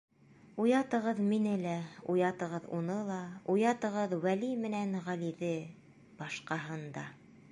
Уятығыҙ мине лә, уятығыҙ уны ла, уятығыҙ Вәли менән Ғәлиҙе, башҡаһын да.